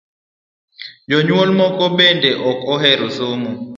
Jonyuol moko bende ok ohero somo